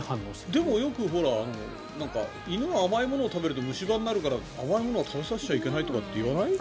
でもよく犬は甘いものを食べたら虫歯になるから甘いものを食べさせちゃいけないとかいわない？